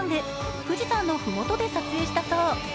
富士山の麓で撮影したそう。